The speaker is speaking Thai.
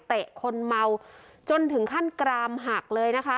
คนเมาจนถึงขั้นกรามหักเลยนะคะ